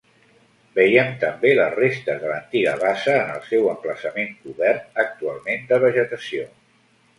Veiem també les restes de l'antiga bassa en el seu emplaçament cobert actualment de vegetació.